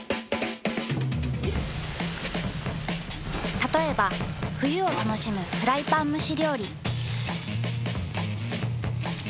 たとえば冬を楽しむフライパン蒸し料理。